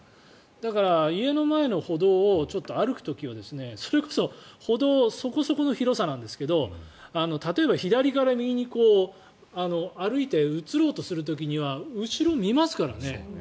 だから家の前の歩道を歩く時はそれこそ歩道そこそこの広さですが例えば左から右に歩いて移ろうとする時には後ろ見ますからね。